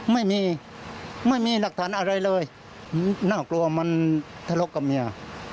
ไม่มีไม่มีหลักฐานอะไรเลยน่ากลัวมันทะเลาะกับเมีย